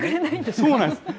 そうなんです。